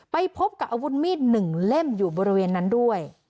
ไปพบกับอาวุธมีด๑เล่มอยู่บริเวณนั้นด้วย